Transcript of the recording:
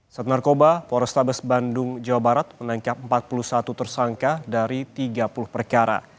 saat narkoba polrestabes bandung jawa barat menangkap empat puluh satu tersangka dari tiga puluh perkara